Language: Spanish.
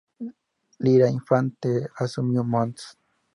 Lira Infante, asumió Mons.